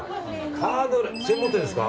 カヌレ専門店ですか？